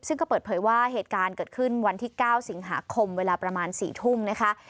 ซึ่งก็เปิดเผยว่าเหตุการณ์เกิดขึ้นวันที่๙สิงหาคมเวลาประมาณ๔ทุ่มนะคะ